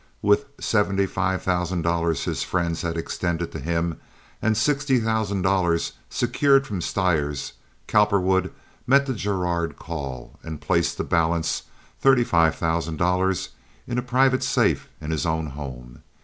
With the seventy five thousand dollars his friends had extended to him, and sixty thousand dollars secured from Stires, Cowperwood met the Girard call and placed the balance, thirty five thousand dollars, in a private safe in his own home.